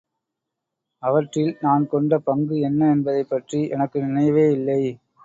அவற்றில் நான் கொண்ட பங்கு என்ன என்பதைப் பற்றி எனக்கு நினைவே இல்லை.